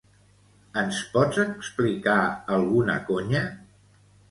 Ens pots explicar alguna conya?